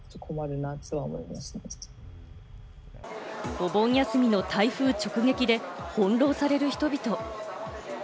お盆休みの台風直撃で翻弄される人々。